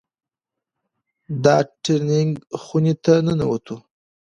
د ټرېننگ خونې ته ننوتو.